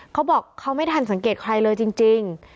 เขาบอกเขาไม่ทันสังเกตใครเลยจริง